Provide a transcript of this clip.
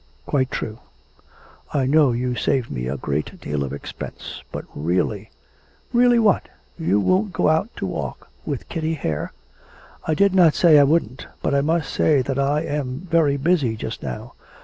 'Quite true; I know you save me a great deal of expense; but really ' 'Really what? You won't go out to walk with Kitty Hare?' 'I did not say I wouldn't, but I must say that I am very busy just now.